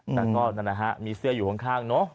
แต่ก็นั่นนะฮะมีเสื้ออยู่ข้างเนอะ